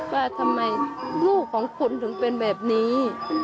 ว่าทำไมลูกของคุณถึงเป็นแบบนี้